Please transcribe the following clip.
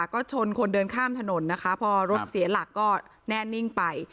ก็ชนคนเดินข้ามถนนนะคะพอรถเสียหลักก็แน่นิ่งไป